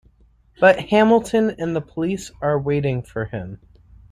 But Hamilton and the police are waiting for him.